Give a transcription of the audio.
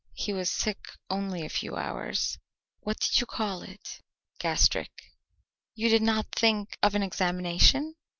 He was sick only a few hours." "What did you call it?" "Gastric." "You did not think of an examination?"